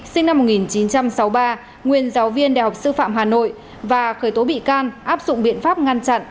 sinh năm một nghìn chín trăm sáu mươi ba nguyên giáo viên đại học sư phạm hà nội và khởi tố bị can áp dụng biện pháp ngăn chặn